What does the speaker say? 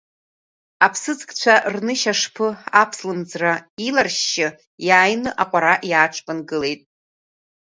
Аԥсыӡкцәа рнышь ашԥы аԥслымӡра иларшьшьы иааины аҟәара иааҽԥынгылеит.